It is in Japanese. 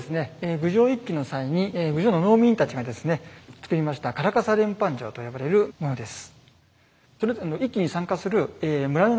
郡上一揆の際に郡上の農民たちがですね作りました「傘連判状」と呼ばれるものです。